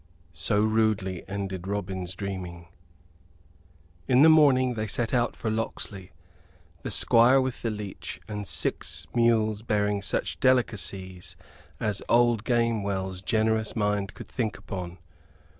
So rudely ended Robin's dreaming. In the morning they set out for Locksley; the Squire with the leech, and six mules bearing such delicacies as old Gamewell's generous mind could think upon.